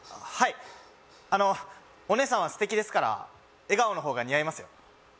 はいあのお姉さんは素敵ですから笑顔の方が似合いますよ